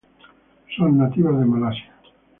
Son nativas de Malasia.